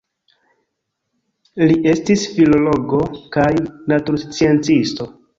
Li estis filologo kaj natursciencisto.